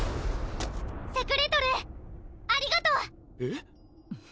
セクレトルーありがとうえっ？